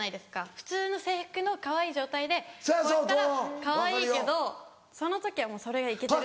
普通の制服のかわいい状態でこうやってたらかわいいけどその時はもうそれがイケてる。